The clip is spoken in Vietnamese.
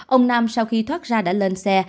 ông nam sau khi thoát ra đã lên xe